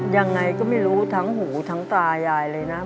ยังไงก็ไม่รู้ทั้งหูทั้งตายายเลยนะ